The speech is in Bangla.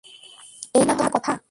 এই না হলে কথা।